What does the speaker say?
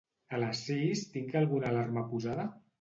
A les sis tinc alguna alarma posada?